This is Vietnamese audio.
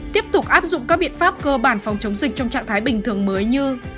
tiếp tục áp dụng các biện pháp cơ bản phòng chống dịch trong trạng thái bình thường mới như